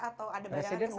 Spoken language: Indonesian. atau ada bayangan ke sana